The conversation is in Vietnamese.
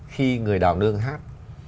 khi người đào nương hát